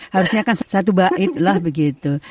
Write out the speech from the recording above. harusnya kan satu bait lah begitu